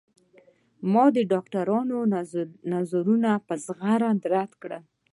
ما د ډاکترانو نظرونه په زغرده رد کړل.